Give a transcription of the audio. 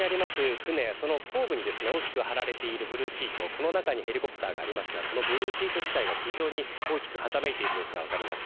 船の後部に大きく張られているブルーシートの中にヘリコプターがありますがこのブルーシート自体が非常に大きくはためいている様子が分かります。